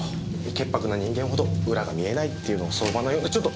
潔白な人間ほど裏が見えないっていうのが相場ちょっと！